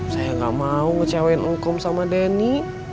saya gak mau ngecewain hukum sama denny